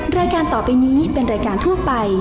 รายการต่อไปนี้เป็นรายการทั่วไป